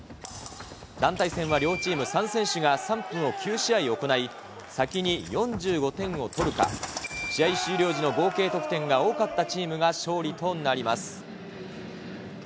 団体戦は両チーム３選手が３分を９試合行い、先に４５点を取るか、試合終了時の合計得点が多かったチームが勝利となります。